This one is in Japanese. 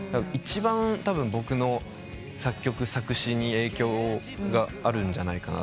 一番たぶん僕の作曲作詞に影響があるんじゃないかなと。